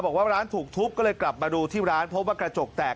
บอกว่าร้านถูกทุบก็เลยกลับมาดูที่ร้านพบว่ากระจกแตก